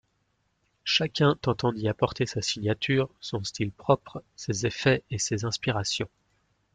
Chacun tentant d'y apporter sa signature, son style propre, ses effets et ses inspirations.